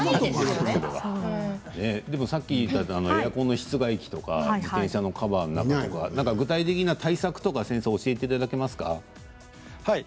エアコンの室外機とか自転車のカバーの中とか具体的な対策を教えていただけますか。